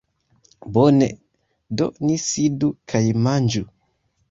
Bone, do ni sidu kaj manĝu